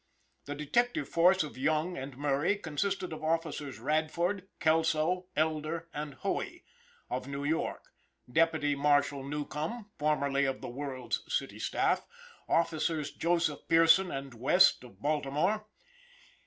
The detective force of Young and Murray consisted of Officers Radford, Kelso, Elder, and Hoey, of New York; Deputy Marshal Newcome, formerly of THE WORLD'S city staff; Officers Joseph Pierson and West, of Baltimore.